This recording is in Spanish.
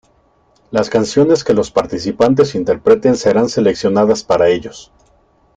Las canciones que los participantes interpreten serán seleccionadas para ellos.